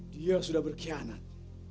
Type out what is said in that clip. dia sudah berkhianat